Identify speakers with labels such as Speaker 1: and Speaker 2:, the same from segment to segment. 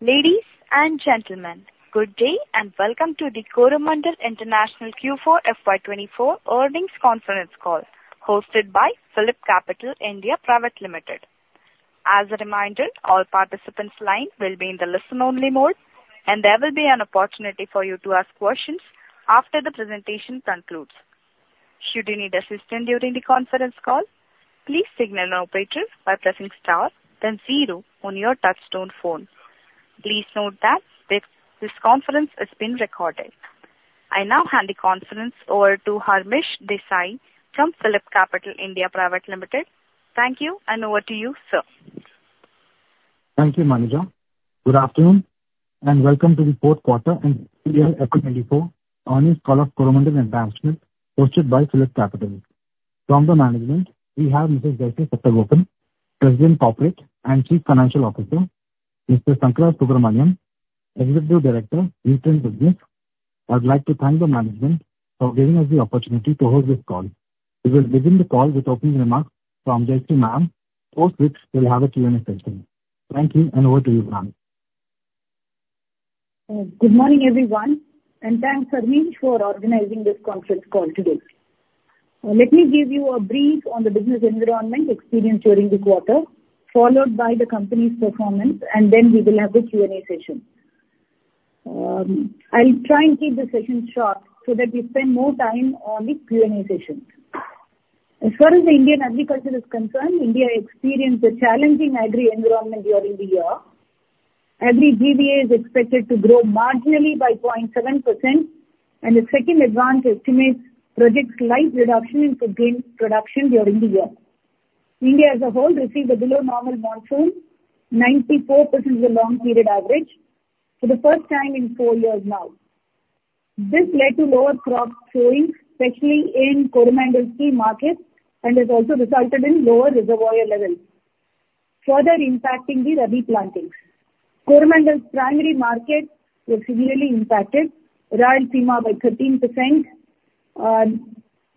Speaker 1: Ladies and gentlemen, good day, and welcome to the Coromandel International Q4 FY 2024 earnings conference call, hosted by PhillipCapital (India) Private Limited. As a reminder, all participants' line will be in the listen-only mode, and there will be an opportunity for you to ask questions after the presentation concludes. Should you need assistance during the conference call, please signal an operator by pressing star then zero on your touchtone phone. Please note that this conference is being recorded. I now hand the conference over to Harmish Desai from PhillipCapital (India) Private Limited. Thank you, and over to you, sir.
Speaker 2: Thank you, Manisha. Good afternoon, and welome to the fourth quarter and full year FY 2024 earnings call of Coromandel International, hosted by PhillipCapital. From the management, we have Mrs. Jayashree Satagopan, President Corporate and Chief Financial Officer, Mr. Sankarasubramanian, Executive Director, Nutrient Business. I'd like to thank the management for giving us the opportu nity to hold this call. We will begin the call with opening remarks from Jayashree ma'am, post which we'll have a Q and A session. Thank you, and over to you, ma'am.
Speaker 3: Good morning, everyone, and thanks, Harmish, for organizing this conference call today. Let me give you a brief on the business environment experienced during the quarter, followed by the company's performance, and then we will have the Q and A session. I'll try and keep the session short so that we spend more time on the Q and A session. As far as the Indian agriculture is concerned, India experienced a challenging agri environment during the year. Agri GVA is expected to grow marginally by 0.7%, and the second advance estimate projects slight reduction in food grain production during the year. India as a whole received a below normal monsoon, 94% of the long period average, for the first time in four years now. This led to lower crop sowing, especially in Coromandel's key markets, and has also resulted in lower reservoir levels, further impacting the Rabi plantings. Coromandel's primary markets were severely impacted: Rayalaseema by 13%,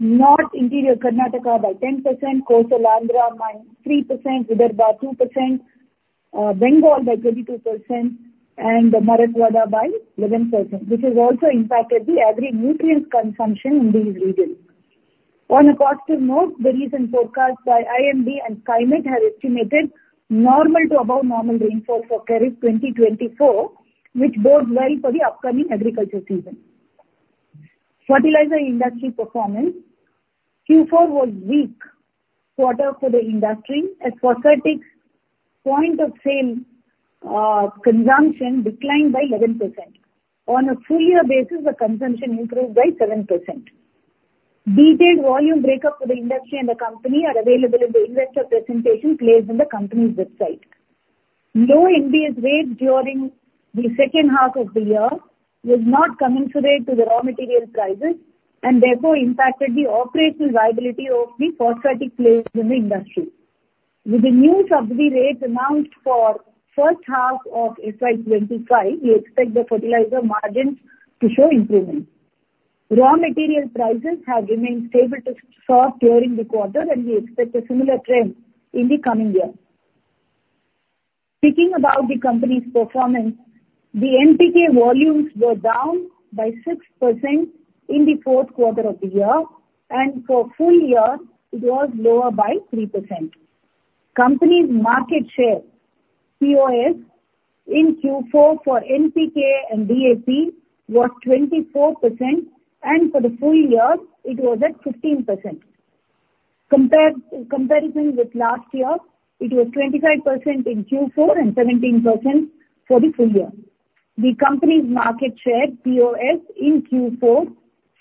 Speaker 3: North Interior Karnataka by 10%, Coastal Andhra by 3%, Vidarbha by 2%, Bengal by 22%, and Marathwada by 11%, which has also impacted the agri nutrient consumption in these regions. On a positive note, the recent forecast by IMD and Skymet have estimated normal to above normal rainfall for Kharif 2024, which bodes well for the upcoming agriculture season. Fertilizer industry performance: Q4 was a weak quarter for the industry, as phosphatic point of sale consumption declined by 11%. On a full year basis, the consumption improved by 7%. Detailed volume breakup for the industry and the company are available in the investor presentation placed on the company's website. Low Indian rates during the second half of the year was not commensurate to the raw material prices, and therefore impacted the operational viability of the phosphatic players in the industry. With the new subsidy rates announced for first half of FY 2025, we expect the fertilizer margins to show improvement. Raw material prices have remained stable to soft during the quarter, and we expect a similar trend in the coming year. Speaking about the company's performance, the NPK volumes were down by 6% in the fourth quarter of the year, and for full year, it was lower by 3%. Company's market share, POS, in Q4 for NPK and DAP was 24%, and for the full year, it was at 15%. Comparison with last year, it was 25% in Q4 and 17% for the full year. The company's market share, POS, in Q4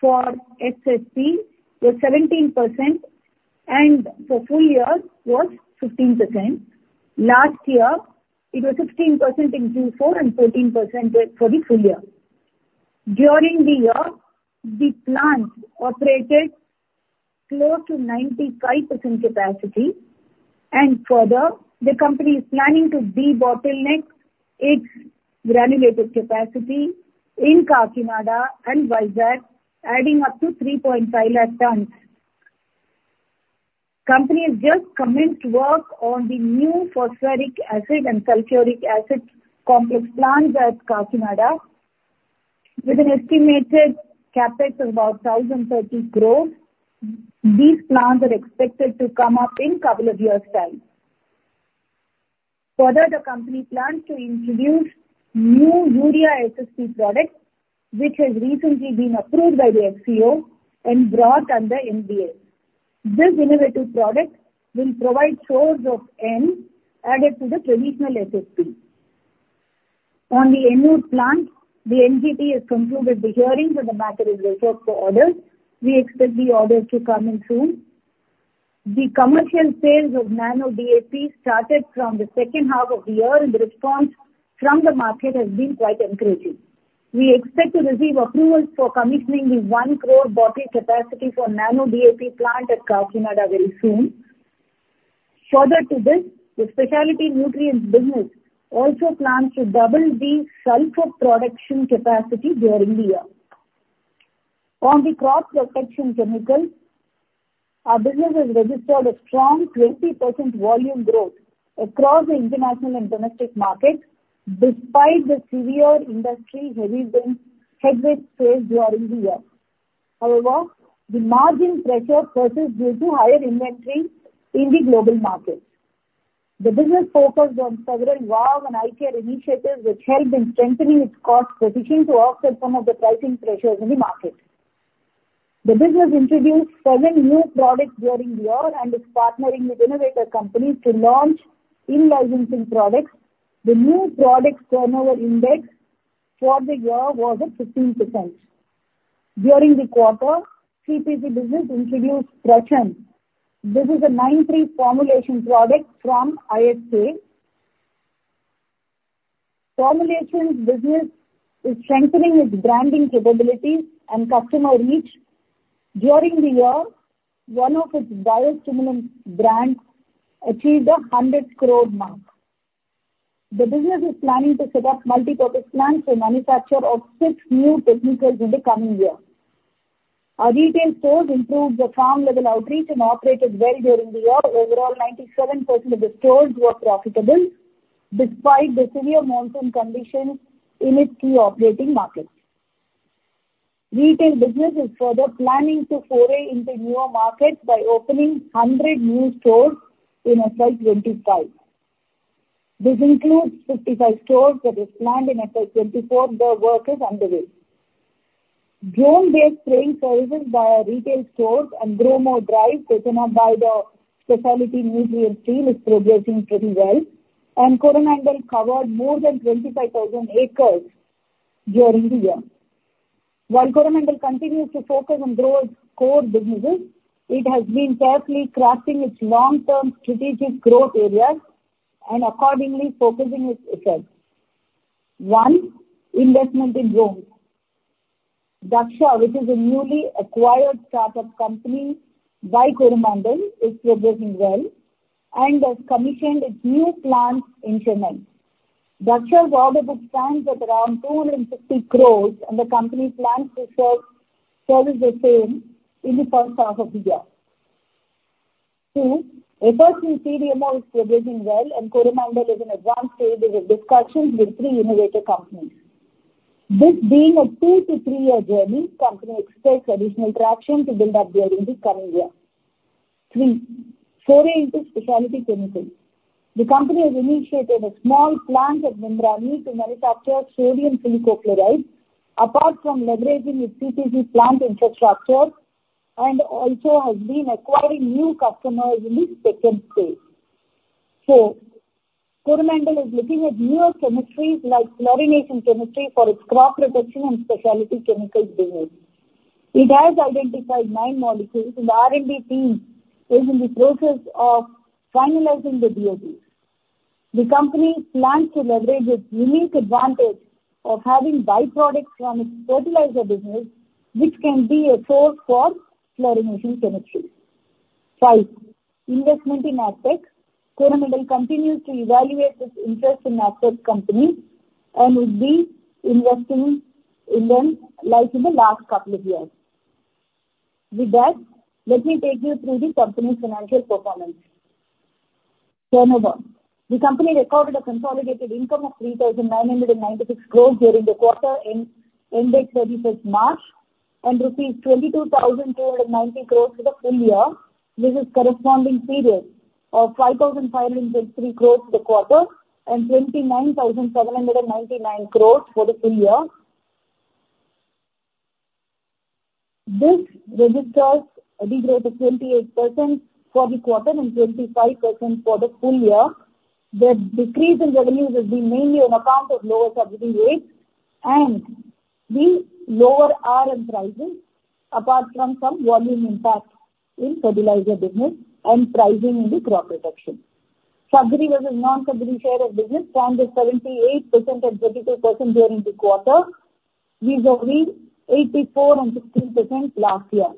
Speaker 3: for SSP was 17%, and for full year was 15%. Last year, it was 15% in Q4 and 14% for the full year. During the year, the plant operated close to 95% capacity, and further, the company is planning to debottleneck its granulated capacity in Kakinada and Vizag, adding up to 3.5 lakh tons. Company has just commenced work on the new phosphoric acid and sulphuric acid complex plants at Kakinada, with an estimated CapEx of about 1,030 crores. These plants are expected to come up in couple of years' time. Further, the company plans to introduce new Urea SSP product, which has recently been approved by the FCO and brought under NBS. This innovative product will provide source of N added to the traditional SSP.On the new plant, the NGT has concluded the hearing, and the matter is reserved for order. We expect the order to come in soon. The commercial sales of Nano DAP started from the second half of the year, and the response from the market has been quite encouraging. We expect to receive approval for commissioning the 1 Cr bottle capacity for Nano DAP plant at Kakinada very soon. Further to this, the Specialty Nutrients business also plans to double the sulphur production capacity during the year. On the crop protection chemicals, our business has registered a stong 20% volume growth across the international and domestic markets despite the severe industry headwinds faced during the year. However, the margin pressure persists due to higher inventory in the global markets. The business focused on several value and IT initiatives, which helped in strengthening its cost position to offset some of the pricing pressures in the market. The business introduced seven new products during the year and is partnering with innovator companies to launch in-licensing products. The new product turnover index for the year was at 15%. During the quarter, CPC business introduced Prachand. This is a 9,3 formulation product from ISK. Formulations business is strengthening its branding capabilities and customer reach. During the year, one of its biostimulant brands achieved a 100 crore mark. The business is planning to set up multi-purpose plants for manufacture of six new chemicals in the coming year. Our retail stores improved the farm level outreach and operated well during the year. Overall, 97% of the stores were profitable, despite the severe monsoon conditions in its key operating markets. Retail business is further planning to foray into newer markets by opening 100 new stores in FY 2025. This includes 55 stores that were planned in FY 2024. The work is underway. Drone-based spraying services by our retail stores and Gromor Drive, taken up by the specialty nutrients team, is progressing pretty well, and Coromandel covered more than 25,000 acres during the year. While Coromandel continues to focus on growth core businesses, it has been carefully crafting its long-term strategic growth areas and accordingly focusing itself. One, investment in drones. Dhaksha, which is a newly acquired startup company by Coromandel, is progressing well and has commissioned its new plant in Chennai. Dhaksha's order book stands at around 250 crore, and the company plans to service the same in the first half of the year. Two, efforts in CDMO is progressing well, and Coromandel is in advanced stages of discussions with three innovator companies. This being a two to three year journey, company expects additional traction to build up during the coming year. Three, foray into specialty chemicals. The company has initiated a small plant at Vizag to manufacture sodium silicochloride, apart from leveraging its CPC plant infrastructure, and also has been acquiring new customers in this segment space. So Coromandel is looking at newer chemistries like chlorination chemistry for its crop protection and specialty chemicals business. It has identified nine molecules, and the R&D team is in the process of finalizing the DOTs. The company plans to leverage its unique advantage of having byproducts from its fertilizer business, which can be a source for fluorination chemistry. Five, investment in AgTech. Coromandel continues to evaluate its interest in AgTech companies and would be investing in them, like in the last couple of years. With that, let me take you through the company's financial performance. Turnover. The company recorded a consolidated income of 3,996 crore during the quarter ended March 31, and 22,290 crore for the full year versus corresponding period of 5,563 crore for the quarter and 29,799 crore for the full year. This registers a degrowth of 28% for the quarter and 25% for the full year. The decrease in revenues has been mainly on account of lower subsidy rates and the lower RM prices, apart from some volume impact in fertilizer business and pricing in the crop protection. Subsidy versus non-subsidy share of business stand at 78% and 22% during the quarter, vis-à-vis 84% and 16% last year.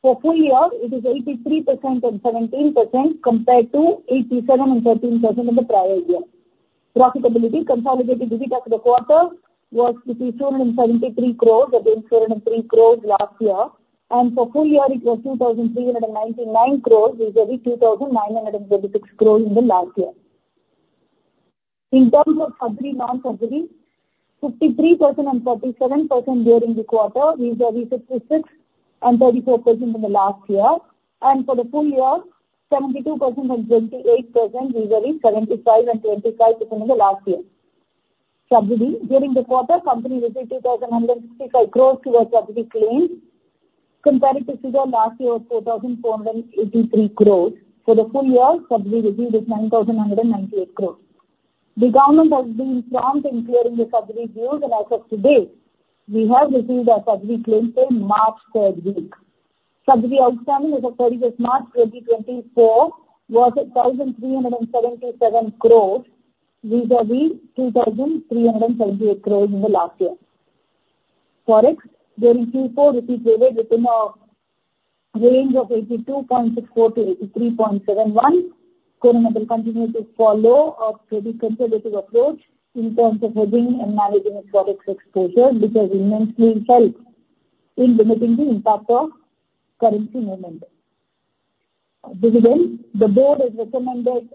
Speaker 3: For full year, it is 83% and 17% compared to 87% and 13% in the prior year. Profitability. Consolidated EBITDA for the quarter was 273 crores against 203 crores last year, and for full year, it was 2,399 crores vis-à-vis 2,936 crores in the last year. In terms of subsidy, non-subsidy, 53% and 47% during the quarter, vis-à-vis 56% and 34% in the last year, and for the full year, 72% and 28% vis-à-vis 75% and 25% in the last year. Subsidy. During the quarter, company received 2,165 crores towards subsidy claims, compared to last year's 4,483 crores. For the full year, subsidy received is 9,198 crores. The government has been prompt in clearing the subsidy dues, and as of today, we have received our subsidy claims for March third week. Subsidy outstanding as of 31st March 2024 was 1,377 crores, vis-à-vis 2,378 crores in the last year. Forex. During Q4, rupees traded within a range of 82.64-83.71. Coromandel continues to follow a very conservative approach in terms of hedging and managing its product exposure, which has immensely helped in limiting the impact of currency movement. Dividend, the board has recommended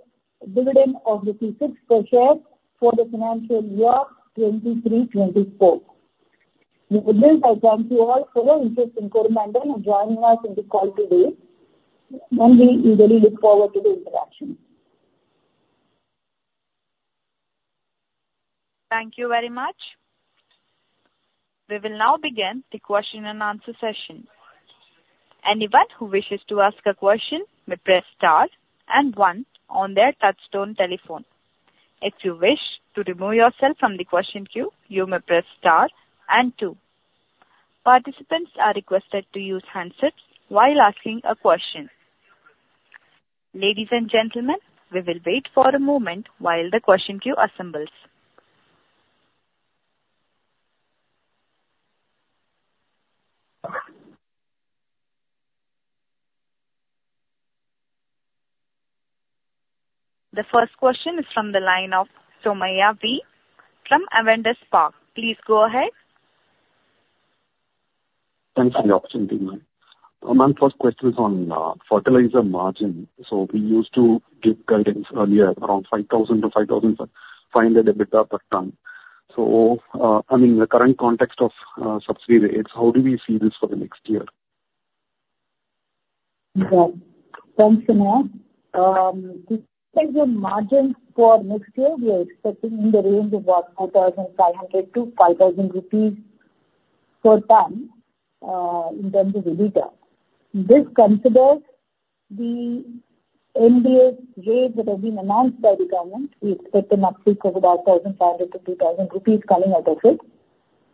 Speaker 3: dividend of INR 6 per share for the financial year 2023,2024. With this, I thank you all for your interest in Coromandel and joining us in the call today, and we really look forward to the interaction.
Speaker 1: Thank you very much. We will now begin the question and answer session. Anyone who wishes to ask a question may press star and one on their touchtone telephone. If you wish to remove yourself from the question queue, you may press star and two. Participants are requested to use handsets while asking a question. Ladies and gentlemen, we will wait for a moment while the question queue assembles. The first question is from the line of Somaiah V from Avendus Spark. Please go ahead.
Speaker 4: Thanks for the opportunity, ma'am. My first question is on fertilizer margin. So we used to give guidance earlier, around 5,000 to 5,500 EBITDA per ton. So, I mean, in the current context of subsidy rates, how do we see this for the next year?
Speaker 3: Yeah. Thanks, Somaiah. The margins for next year, we are expecting in the range of about 4,500-5,000 rupees per ton in terms of EBITDA. This considers the NBS rate that has been announced by the government. We expect an uptick of about 1,500-2,000 rupees coming out of it.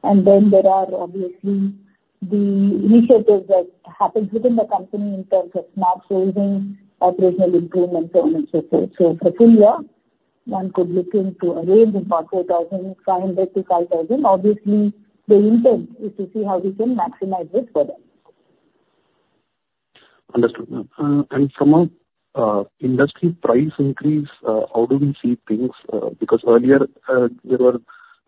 Speaker 3: And then there are obviously the initiatives that happened within the company in terms of smart sourcing, operational improvements, so on and so forth. So for full year, one could look into a range of about 4,500-5,000. Obviously, the intent is to see how we can maximize this further.
Speaker 4: Understood, ma'am. From an industry price increase, how do we see things? Because earlier,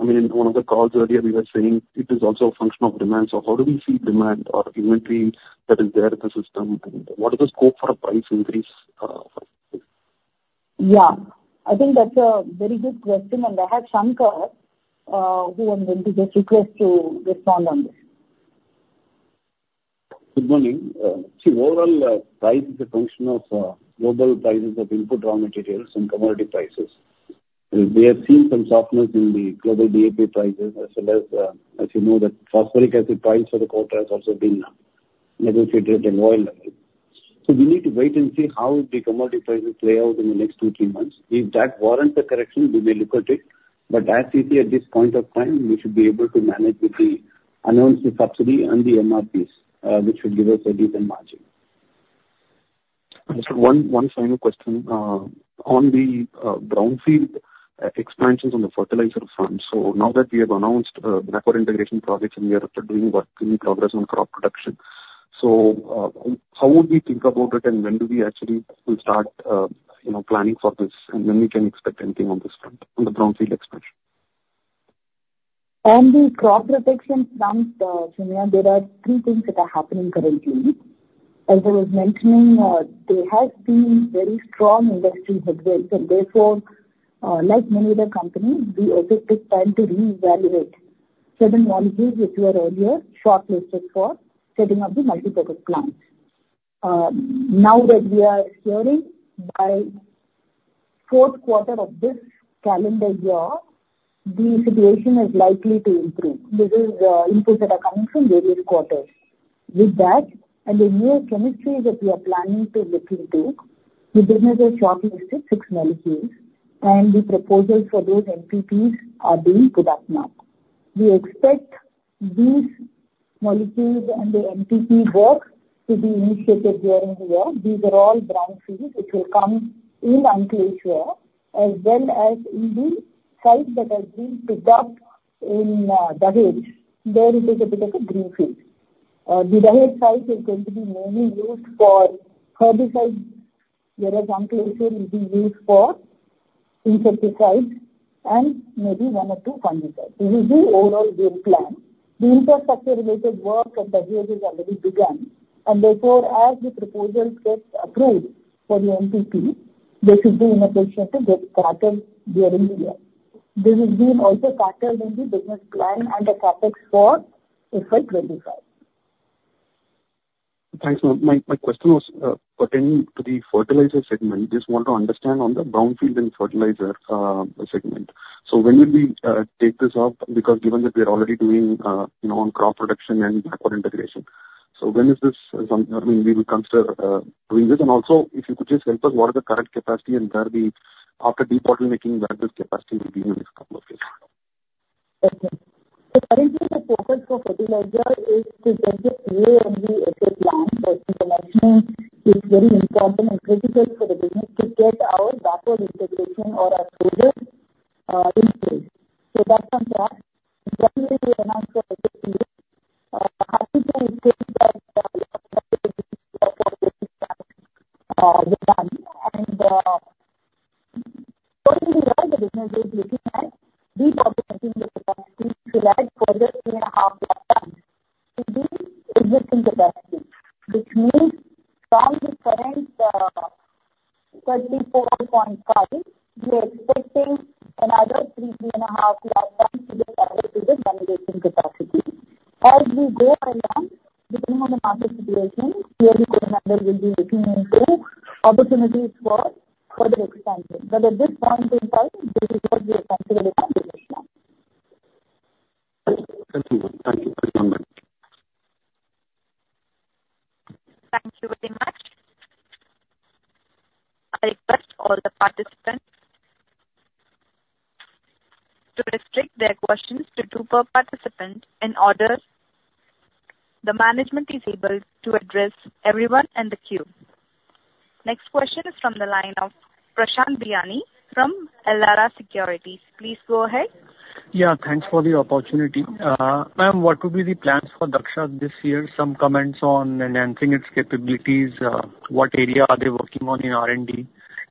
Speaker 4: I mean, in one of the calls earlier, we were saying it is also a function of demand. So how do we see demand or inventory that is there in the system, and what is the scope for a price increase for this?
Speaker 3: Yeah, I think that's a very good question, and I have Sankara, who I'm going to just request to respond on this.
Speaker 5: Good morning. See, overall, price is a function of global prices of input, raw materials and commodity prices. We have seen some softness in the global DAP prices as well as, as you know, the phosphoric acid price for the quarter has also been negotiated at a lower level. So we need to wait and see how the commodity prices play out in the next two to three months. If that warrants a correction, we may look at it, but as you see, at this point of time, we should be able to manage with the announced subsidy and the MRPs, which should give us a decent margin.
Speaker 4: Understood. One final question on the brownfield expansions on the fertilizer front. So now that we have announced backward integration projects, and we are also doing work in progress on crop protection, so how would we think about it, and when do we actually will start, you know, planning for this? And when we can expect anything on this front, on the brownfield expansion?
Speaker 3: On the crop protection front, Somaya, there are three things that are happening currently. As I was mentioning, there has been very strong industry headwinds, and therefore, like many other companies, we also took time to reevaluate certain molecules which were earlier shortlisted for setting up the multiproduct plant. Now that we are hearing by fourth quarter of this calendar year, the situation is likely to improve. This is inputs that are coming from various quarters. With that, and the new chemistry that we are planning to look into, we have another shortlist of six molecules, and the proposals for those MPPs are being put up now. We expect these molecules and the MPP work to be initiated during the year. These are all brownfields which will come in Ankleshwar, as well as in the sites that are being put up in Dahej. There it is a bit of a greenfield. The Dahej site is going to be mainly used for herbicides, whereas Ankleshwar will be used for insecticides and maybe one or two fungicides. This is the overall game plan. The infrastructure-related work at Dahej has already begun, and therefore, as the proposals get approved for the MPP, they should be in a position to get started during the year. This is being also factored in the business plan and the CapEx for FY 2025.
Speaker 4: Thanks, ma'am. My question was pertaining to the fertilizer segment. Just want to understand on the brownfield and fertilizer segment. So when will we take this up? Because given that we are already doing, you know, on crop production and backward integration, so when is this, some... I mean, we will consider doing this? And also, if you could just help us, what is the current capacity, and where the after de-bottlenecking making, where this capacity will be in this couple of years?
Speaker 3: Okay. So currently, the focus for fertilizer is to get the SA and PA plant, that is the margin is very important and critical for the business to get our backward integration or our project increase. So that's from there, definitely we announce the and going forward, the business is looking at the opportunity to add further 3.5 lakh tons in the existing capacity. Which means from the current 34.5 lakh tons we are expecting another 3.5 lakh tons to be added to the generation capacity. As we go along, depending on the market situation, clearly Coromandel will be looking into opportunities for further expansion. But at this point in time, this is what we have considered in our business.
Speaker 4: Thank you. Thank you very much.
Speaker 1: Thank you very much. I request all the participants to restrict their questions to two per participant, in order the management is able to address everyone in the queue. Next question is from the line of Prashant Biyani from Elara Securities. Please go ahead.
Speaker 6: Yeah, thanks for the opportunity. Ma'am, what would be the plans for Dhaksha this year? Some comments on enhancing its capabilities, what area are they working on in R&D,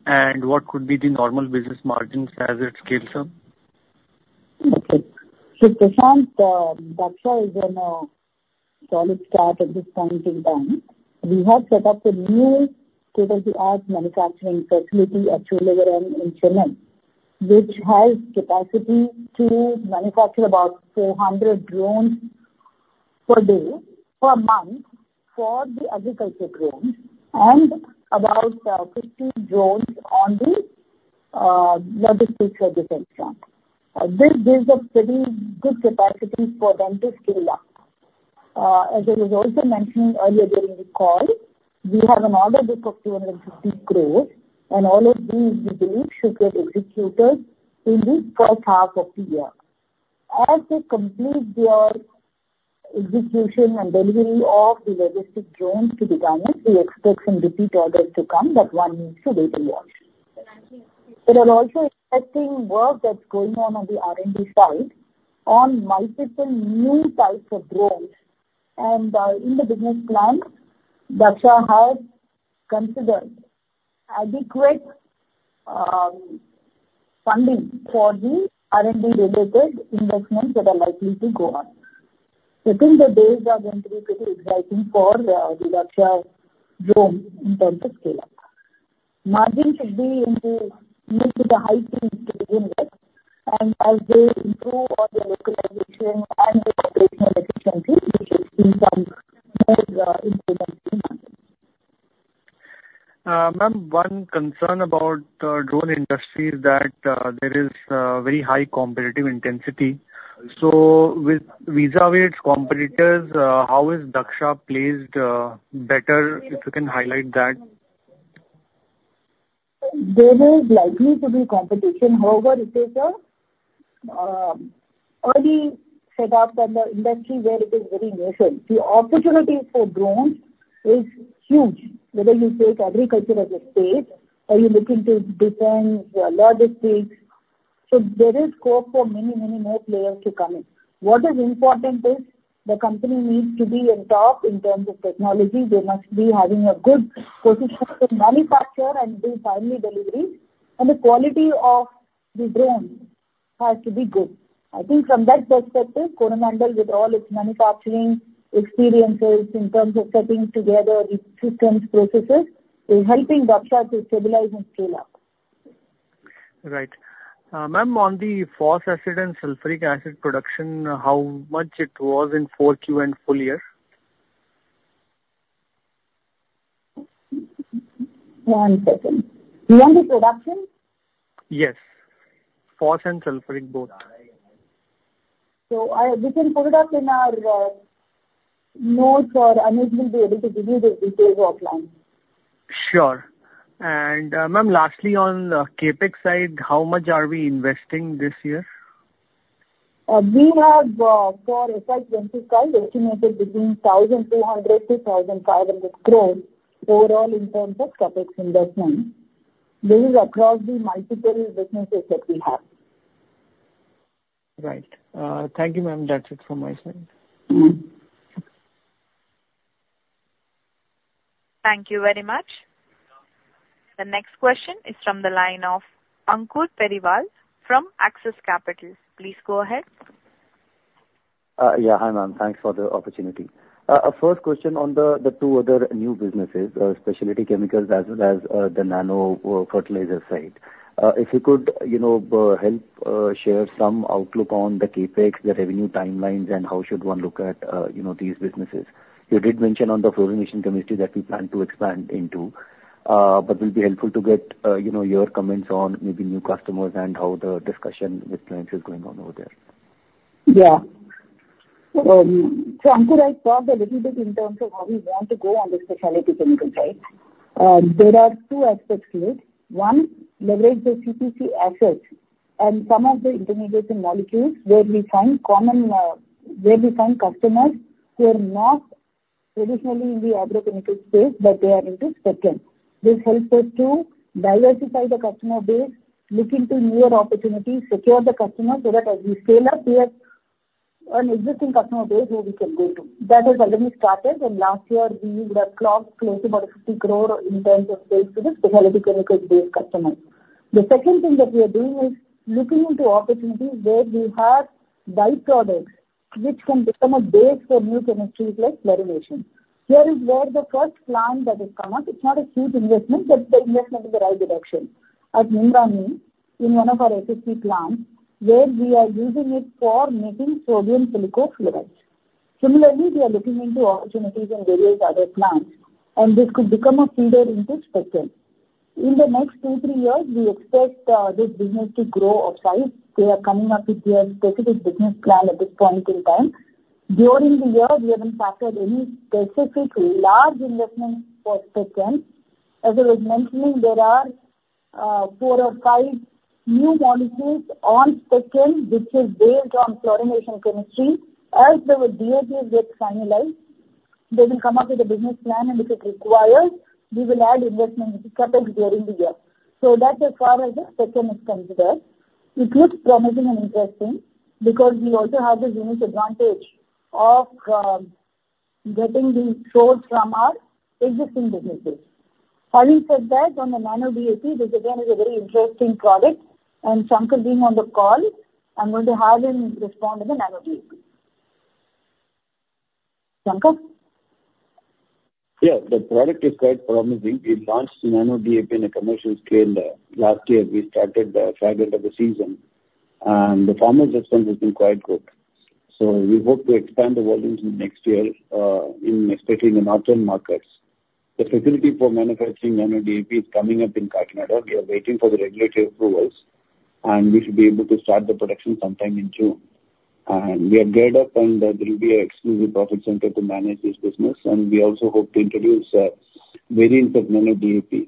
Speaker 6: and what could be the normal business margins as it scales up?
Speaker 3: Okay. Prashant, Dhaksha is on a solid start at this point in time. We have set up a new state-of-the-art manufacturing facility at Cholavaram in Chennai, which has capacity to manufacture about 400 drones per day, per month, for the agriculture drones and about 50 drones on the logistics as well. This gives a pretty good capacity for them to scale up. As I was also mentioning earlier during the call, we have an order book of 250 crore, and all of these, we believe, should get executed in this first half of the year. As they complete their execution and delivery of the logistic drones to the customers, we expect some repeat orders to come, but one needs to wait and watch. We are also expecting work that's going on, on the R&D side, on multiple new types of drones. And, in the business plan, Dhaksha has considered adequate, funding for the R&D-related investments that are likely to go on. So I think the days are going to be pretty exciting for, the Dhaksha drone in terms of scale up. Margin should be into with the high teens to begin with, and as they improve on their localization and their operational efficiency, we should see some more, improvement in that.
Speaker 6: Ma'am, one concern about the drone industry is that there is very high competitive intensity. So with vis-à-vis its competitors, how is Dhaksha placed better, if you can highlight that?
Speaker 3: There is likely to be competition. However, it is an early set up in the industry where it is very nascent. The opportunity for drones is huge, whether you take agriculture as a space or you look into defense or logistics. So there is scope for many, many more players to come in. What is important is the company needs to be on top in terms of technology. They must be having a good position to manufacture and do timely delivery, and the quality of the drone has to be good. I think from that perspective, Coromandel, with all its manufacturing experiences in terms of putting together efficient processes, is helping Dhaksha to stabilize and scale up.
Speaker 6: Right. Ma'am, on the phosphoric acid and sulphuric acid production, how much it was in 4Q and full year?
Speaker 3: One second. You want the production?
Speaker 6: Yes, phos and sulphuric both.
Speaker 3: We can pull it up in our notes, or Anuj will be able to give you the details offline.
Speaker 6: Sure. And, ma'am, lastly, on CapEx side, how much are we investing this year?
Speaker 3: We have, for FY 2025, estimated between 1,200 crore to 1,500 crore overall in terms of CapEx investment. This is across the multiple businesses that we have.
Speaker 6: Right. Thank you, ma'am. That's it from my side.
Speaker 1: Thank you very much. The next question is from the line of Ankur Periwal from Axis Capital. Please go ahead.
Speaker 7: Yeah, hi, ma'am. Thanks for the opportunity. First question on the two other new businesses, specialty chemicals as well as the nano fertilizer side. If you could, you know, help share some outlook on the CapEx, the revenue timelines, and how should one look at these businesses? You did mention on the fluorination chemistry that we plan to expand into, but will be helpful to get your comments on maybe new customers and how the discussion with clients is going on over there.
Speaker 3: Yeah. So Ankur, I talked a little bit in terms of how we want to go on the specialty chemical side. There are two aspects to it. One, leverage the CPC assets and some of the intermediate molecules where we find customers who are not traditionally in the agrochemical space, but they are into Spec Chem. This helps us to diversify the customer base, look into newer opportunities, secure the customer, so that as we scale up, we have an existing customer base who we can go to. That has already started, and last year, we would have clocked close about 50 crore in terms of sales to the specialty chemicals base customers. The second thing that we are doing is looking into opportunities where we have by-products, which can become a base for new chemistries like fluorination. Here is where the first plant that has come up. It's not a huge investment, but the investment is the right direction. As in one of our FC plants, where we are using it for making sodium silico fluorides. Similarly, we are looking into opportunities in various other plants, and this could become a feeder into Spec Chem. In the next two to three years, we expect this business to grow upside. We are coming up with a specific business plan at this point in time. During the year, we haven't started any specific large investment for Spec Chem. As I was mentioning, there are four or five new molecules on Spec Chem, which is based on fluorination chemistry. As the DPRs get finalized, they will come up with a business plan, and if it requires, we will add investment to couple during the year. That is as far as the Spec Chem is considered. It looks promising and interesting because we also have the unique advantage of getting the source from our existing businesses. Having said that, on the Nano DAP, this again is a very interesting product, and Sankara being on the call, I'm going to have him respond to the Nano DAP. Sankar?
Speaker 5: Yeah, the product is quite promising. We launched Nano DAP in a commercial scale last year. We started the second of the season, and the farmers' response has been quite good. So we hope to expand the volumes in next year in especially in the northern markets. The facility for manufacturing Nano DAP is coming up in Karnataka. We are waiting for the regulatory approvals, and we should be able to start the production sometime in June. And we are geared up, and there will be a exclusive profit center to manage this business, and we also hope to introduce variants of Nano DAP,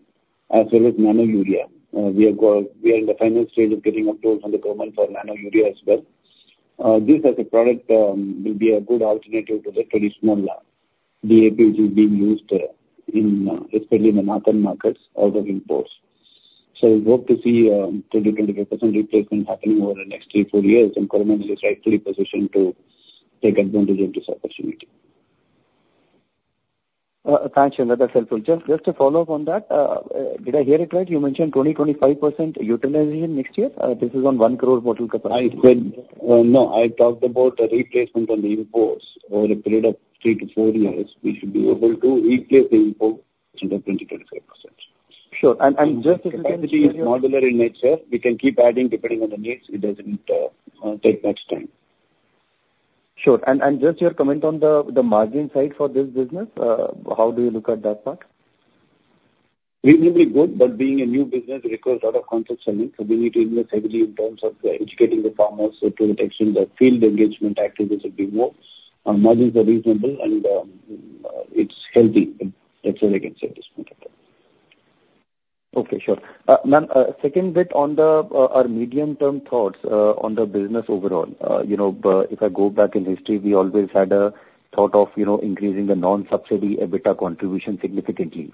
Speaker 5: as well as Nano Urea. We have got... We are in the final stage of getting approval from the government for Nano Urea as well. This as a product will be a good alternative to the traditional DAPs being used in especially in the northern markets, all the imports. So we hope to see 20-25% replacement happening over the next three to four years, and government is rightfully positioned to take advantage of this opportunity.
Speaker 7: Thanks, Sankar, that's helpful. Just, just to follow up on that, did I hear it right? You mentioned 20-25% utilization next year? This is on 1 crore bottle capacity.
Speaker 5: I said, no, I talked about the replacement on the imports over a period of three to four years, we should be able to replace the import to the 20%-25%.
Speaker 7: Sure. And just-
Speaker 5: The capacity is modular in nature. We can keep adding depending on the needs. It doesn't take much time.
Speaker 7: Sure. And just your comment on the margin side for this business. How do you look at that part?
Speaker 5: Reasonably good, but being a new business, it requires a lot of contract selling. So we need to invest heavily in terms of educating the farmers to the extent that field engagement activities have been more. Our margins are reasonable, and it's healthy. That's all I can say at this point in time.
Speaker 7: Okay, sure. Ma'am, second bit on our medium-term thoughts on the business overall. You know, if I go back in history, we always had a thought of, you know, increasing the non-subsidy EBITDA contribution significantly.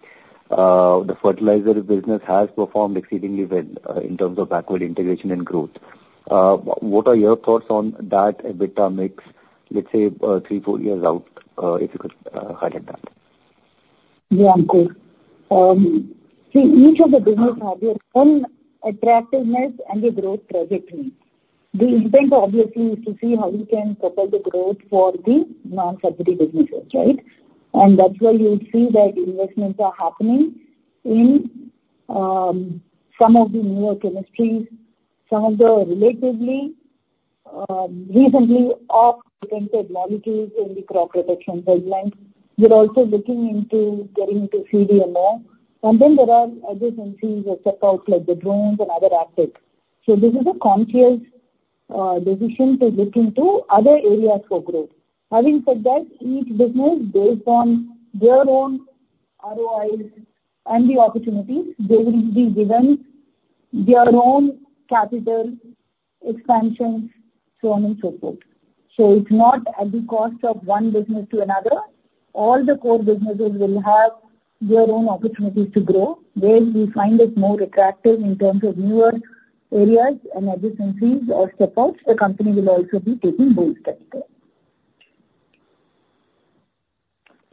Speaker 7: The fertilizer business has performed exceedingly well in terms of backward integration and growth. What are your thoughts on that EBITDA mix, let's say, three, four years out, if you could highlight that?
Speaker 3: Yeah, sure. See, each of the business have their own attractiveness and the growth trajectory. The intent, obviously, is to see how we can propel the growth for the non-subsidy businesses, right? And that's where you would see that investments are happening in, some of the newer chemistries, some of the relatively, recently off-patent technologies in the crop protection pipelines. We're also looking into getting into CDMO. And then there are other entries or step outs, like the drones and other aspects. So this is a conscious, decision to look into other areas for growth. Having said that, each business, based on their own ROIs and the opportunities, they will be given their own capital expansions, so on and so forth. So it's not at the cost of one business to another. All the core businesses will have their own opportunities to grow. Where we find it more attractive in terms of newer areas and adjacencies or step outs, the company will also be taking those steps there.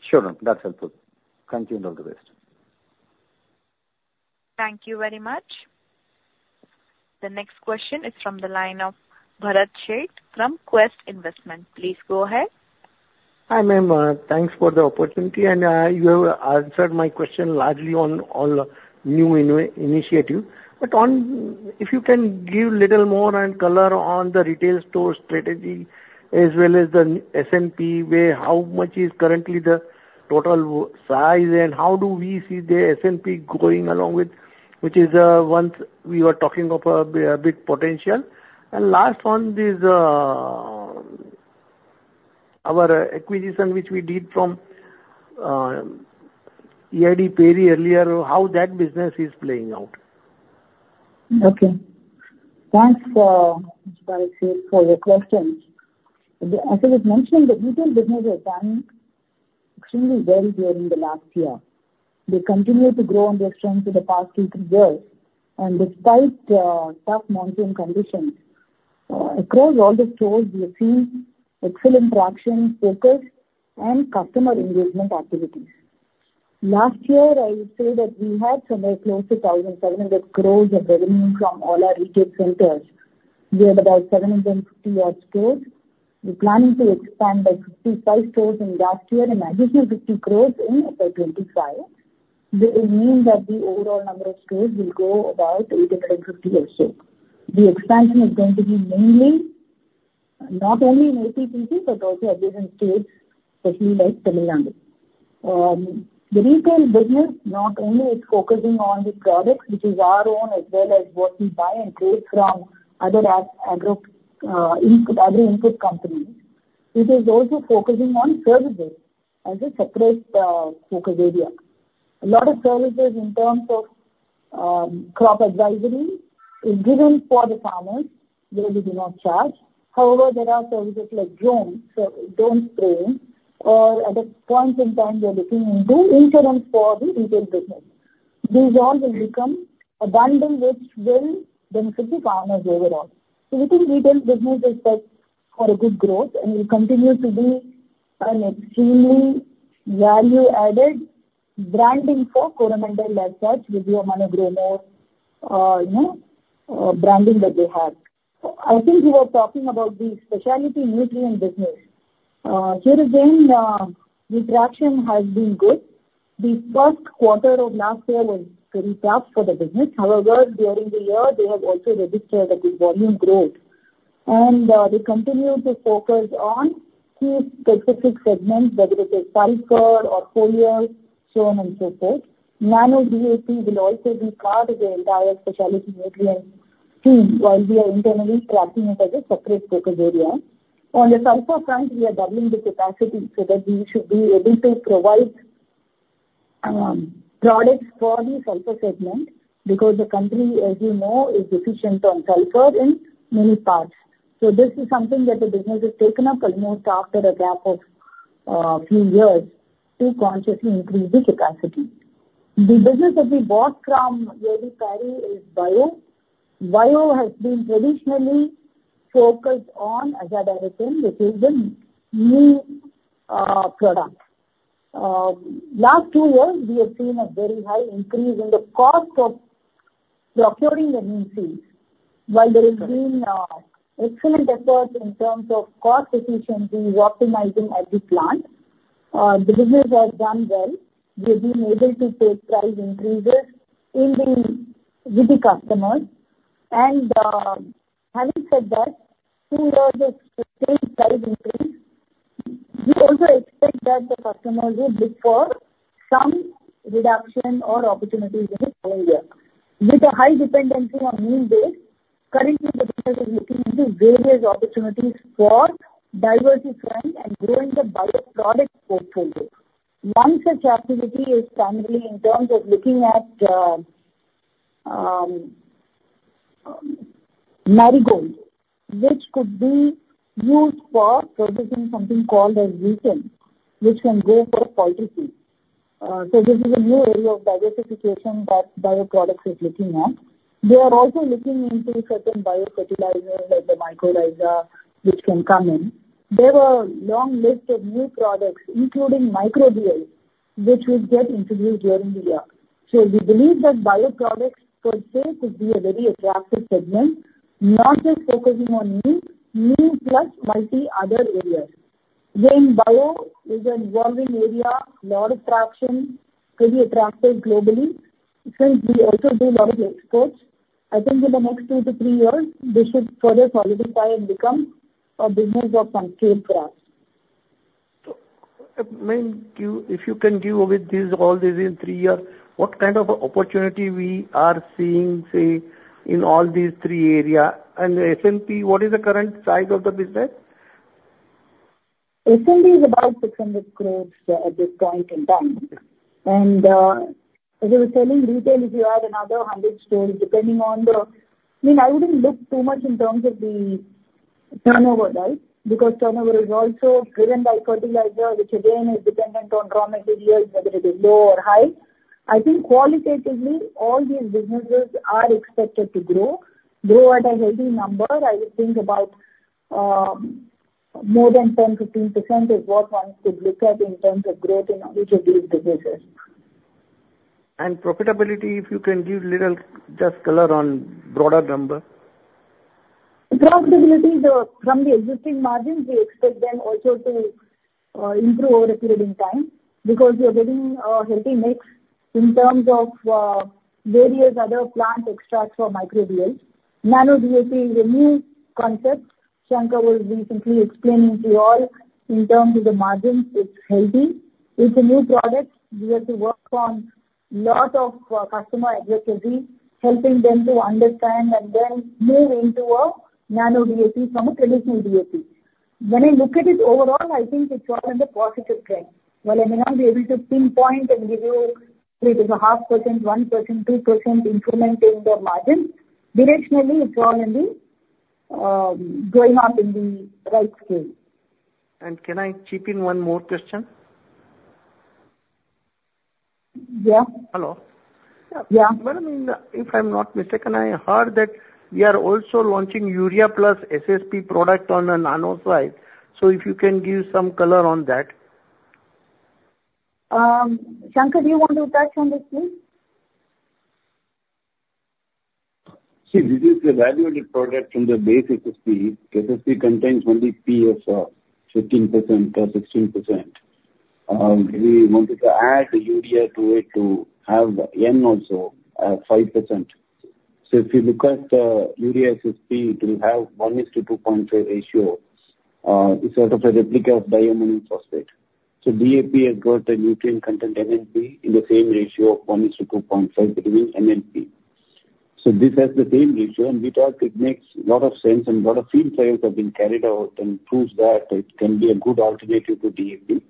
Speaker 7: Sure, ma'am. That's helpful. Thank you, and all the best.
Speaker 1: Thank you very much. The next question is from the line of Bharat Sheth from Quest Investment. Please go ahead.
Speaker 8: Hi, ma'am, thanks for the opportunity, and you have answered my question largely on the new initiative. But on... If you can give little more and color on the retail store strategy, as well as the SNP, where how much is currently the total size, and how do we see the SNP going along with, which is, once we were talking of a big potential? And last one is, our acquisition, which we did from E.I.D. Parry earlier, how that business is playing out?...
Speaker 3: Okay. Thanks for your questions. As I was mentioning, the retail business has done extremely well during the last year. They continue to grow on their strength for the past two, three years, and despite tough monsoon conditions across all the stores, we have seen excellent traction, focus, and customer engagement activities. Last year, I would say that we had somewhere close to 1,700 crore of revenue from all our retail centers. We have about 750-odd stores. We're planning to expand by 55 stores in last year, an additional 50 crore in by 25. This will mean that the overall number of stores will go about 850 or so. The expansion is going to be mainly, not only in APTC, but also adjacent states, especially like Tamil Nadu. The retail business not only is focusing on the products, which is our own, as well as what we buy and trade from other agri-input companies. It is also focusing on services as a separate focus area. A lot of services in terms of crop advisory is given for the farmers. They, we do not charge. However, there are services like drones, so drone spraying, or at a point in time, we are looking into insurance for the retail business. These all will become a bundle which will benefit the farmers overall. So within retail business, expect for a good growth and will continue to be an extremely value-added branding for Coromandel as such, with your amount of Gromor, you know, branding that they have. I think you were talking about the specialty nutrient business. Here again, the traction has been good. The first quarter of last year was very tough for the business. However, during the year, they have also registered a good volume growth, and they continue to focus on key specific segments, whether it is sulphur or foliar, so on and so forth. Nano DAP will also be part of the entire specialty nutrient team, while we are internally tracking it as a separate focus area. On the sulfur front, we are doubling the capacity so that we should be able to provide products for the sulfur segment, because the country, as you know, is deficient on sulfur in many parts. So this is something that the business has taken up almost after a gap of few years to consciously increase the capacity. The business that we bought from E.I.D Parry is Bio. Bio has been traditionally focused on Azadirachtin, which is a neem product. Last two years, we have seen a very high increase in the cost of procuring the neem seeds. While there has been excellent efforts in terms of cost efficiency, optimizing at the plant, the business has done well. We've been able to take price increases in the- with the customers. And, having said that, through all the same price increase, we also expect that the customers will look for some reduction or opportunities in this calendar year. With a high dependency on neem base, currently the business is looking into various opportunities for diversifying and growing the bioproduct portfolio. One such activity is currently in terms of looking at Marigold, which could be used for producing something called as lutein, which can go for poultry feed. So this is a new area of diversification that bioproducts is looking at. They are also looking into certain biofertilizers, like the mycorrhiza, which can come in. There are a long list of new products, including microbial, which will get introduced during the year. So we believe that bioproducts per se could be a very attractive segment, not just focusing on new, new plus multi other areas. Then bio is an evolving area, a lot of traction, very attractive globally, since we also do a lot of exports. I think in the next two to three years, this should further solidify and become a business of sometime for us.
Speaker 8: So, ma'am, do you, if you can deal with these, all these in three years, what kind of opportunity we are seeing, say, in all these three area? And SNP, what is the current size of the business?
Speaker 3: SND is about 600 crore at this point in time. And, as I was telling, retail, if you add another 100 stores, depending on the... I mean, I wouldn't look too much in terms of the turnover, right? Because turnover is also driven by fertilizer, which again, is dependent on raw materials, whether it is low or high. I think qualitatively, all these businesses are expected to grow, grow at a healthy number. I would think about, more than 10%-15% is what one could look at in terms of growth in each of these businesses.
Speaker 8: Profitability, if you can give little, just color on broader number.
Speaker 3: Profitability from the existing margins, we expect them also to improve over a period in time, because we are getting a healthy mix in terms of various other plant extracts for microbial. Nano DAP is a new concept. Sankar was recently explaining to you all in terms of the margins, it's healthy. It's a new product. We have to work on lot of customer advocacy, helping them to understand and then move into a Nano DAP from a traditional DAP. When I look at it overall, I think it's all in the positive trend. While I may not be able to pinpoint and give you, it is a 0.5%, 1%, 2% improvement in the margin, directionally, it's all in the going up in the right scale.
Speaker 8: Can I chip in one more question?
Speaker 3: Yeah.
Speaker 8: Hello?
Speaker 3: Yeah.
Speaker 8: Ma'am, if I'm not mistaken, I heard that we are also launching Urea plus SSP product on a nano scale. So if you can give some color on that.
Speaker 3: Sankar, do you want to touch on this please?
Speaker 5: See, this is a value-added product from the base SSP. SSP contains only P of 15% or 16%. We wanted to add Urea to it to have N also, 5%. So if you look at the Urea SSP, it will have 1:2.5 ratio. It's sort of a replica of diammonium phosphate. So DAP has got a nutrient content NPK in the same ratio of 1:2.5 between NPK. So this has the same ratio, and we thought it makes a lot of sense, and a lot of field trials have been carried out and proves that it can be a good alternative to DAP.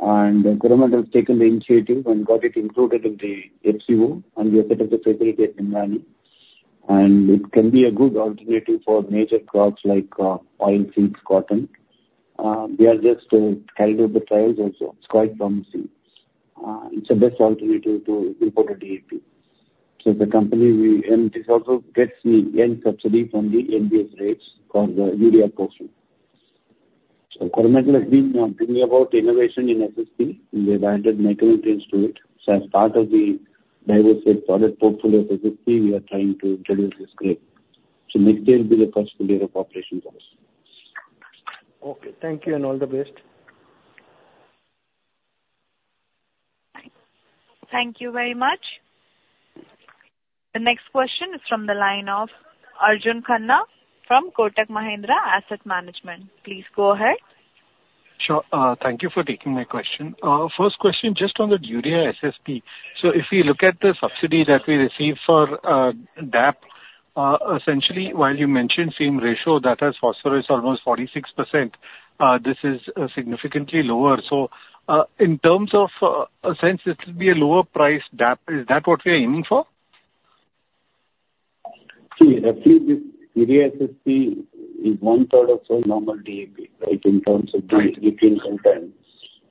Speaker 5: And the government has taken the initiative and got it included in the FCO, and we have set up the facility at Nimrani. It can be a good alternative for major crops like oil seeds, cotton. We are just carrying out the trials also. It's quite promising. It's the best alternative to imported DAP. So the company will... And this also gets the NBS subsidy from the NBS rates for the urea portion. So government has been talking about innovation in SSP, and they've added micronutrients to it. So as part of the diverse product portfolio for SSP, we are trying to introduce this grade. So next year will be the first full year of operations also.
Speaker 8: Okay, thank you, and all the best.
Speaker 1: Thank you very much. The next question is from the line of Arjun Khanna from Kotak Mahindra Asset Management. Please go ahead.
Speaker 9: Sure. Thank you for taking my question. First question, just on the Urea SSP. So if we look at the subsidy that we receive for DAP, essentially, while you mentioned same ratio, that has phosphorus almost 46%, this is significantly lower. So, in terms of a sense, it will be a lower price DAP. Is that what we are aiming for?
Speaker 5: See, actually, this Urea SSP is one third of our normal DAP, right? In terms of-
Speaker 9: Right.
Speaker 5: Nutrient content.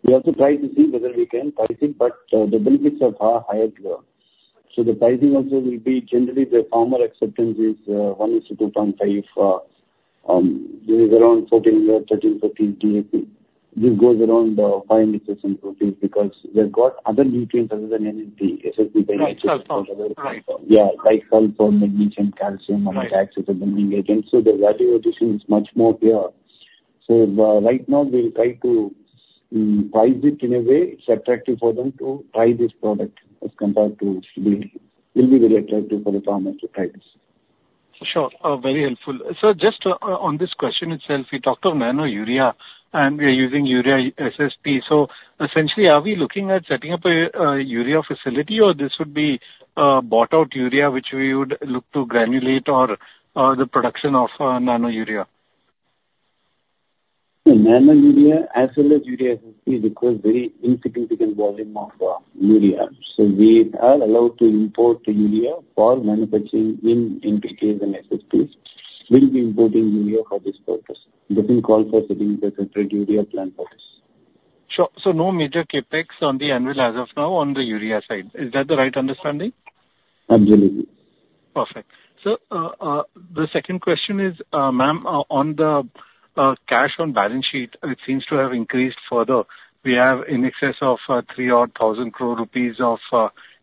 Speaker 5: We also try to see whether we can price it, but the benefits are far higher here. So the pricing also will be generally the farmer acceptance is 1:2.5. This is around 14 or 13, 14 DAP. This goes around 5% and 14, because they've got other nutrients other than NPK. SSP.
Speaker 9: Right. Sulfur.
Speaker 5: Yeah, like sulphur, magnesium, calcium-
Speaker 9: Right.
Speaker 5: Ammonium oxide binding agent, so the value addition is much more clear. So, right now, we'll try to price it in a way it's attractive for them to try this product as compared to DAP. Will be very attractive for the farmer to try this.
Speaker 9: Sure. Very helpful. So just, on this question itself, we talked of Nano Urea, and we are using Urea SSP. So essentially, are we looking at setting up a Urea facility, or this would be, bought out urea, which we would look to granulate or, the production of, Nano Urea?
Speaker 5: The Nano Urea as well as Urea SSP requires very insignificant volume of urea. So we are allowed to import the urea for manufacturing in NPKs and SSPs. We'll be importing urea for this purpose. It didn't call for setting up a separate urea plant for this.
Speaker 9: Sure. So no major CapEx on the anvil as of now on the urea side. Is that the right understanding?
Speaker 5: Absolutely.
Speaker 9: Perfect. So, the second question is, ma'am, on the cash on balance sheet, it seems to have increased further. We have in excess of 3,000 crore rupees of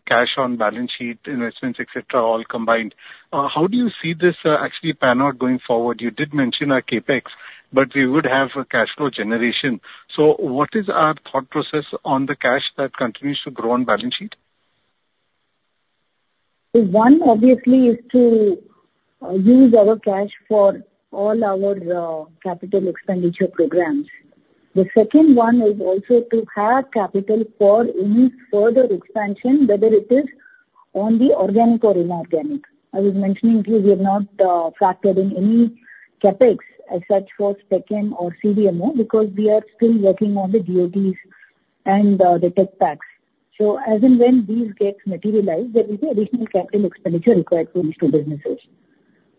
Speaker 9: cash on balance sheet, investments, et cetera, all combined. How do you see this actually pan out going forward? You did mention our CapEx, but we would have a cash flow generation. So what is our thought process on the cash that continues to grow on balance sheet?
Speaker 3: One, obviously, is to use our cash for all our capital expenditure programs. The second one is also to have capital for any further expansion, whether it is on the organic or inorganic. I was mentioning to you, we have not factored in any CapEx as such for Spe Chem or CDMO, because we are still working on the DOTs and the tech packs. So as and when these gets materialized, there will be additional capital expenditure required for these two businesses.